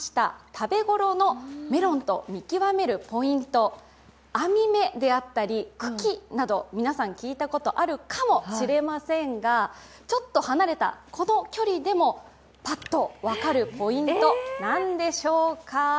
食べごろのメロンと見極めるポイント、網目であったり、茎など、皆さん、聞いたことがあるかもしれませんが、ちょっと離れたこの距離でもパッと分かるポイント何でしょうか。